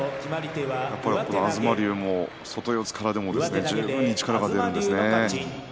やっぱり東龍も外四つからでも十分に力が出るんですね。